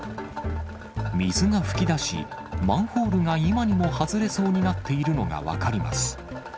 水が噴き出し、マンホールが今にも外れそうになっているのが分かります。